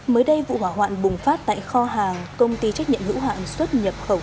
mới đây vụ hỏa hoạn bùng phát tại kho hàng công ty trách nhiệm hữu hạn xuất nhập khẩu